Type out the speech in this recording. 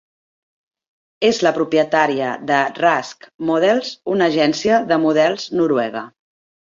És la propietària de Rask Models, una agència de models noruega.